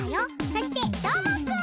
そしてどーもくん！